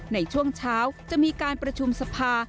ในช่วงเช้าจะมีการประชุมสภา